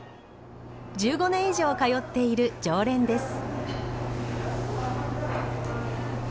１５年以上通っている常連です。